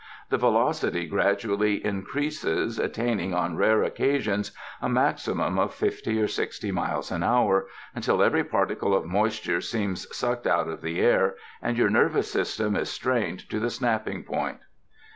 The velocity gradually increases, attain ing on rare occasions a maximum of fifty or sixty miles an hour until every particle of moisture seems sucked out of the air and your nervous system is strained to the snapping point.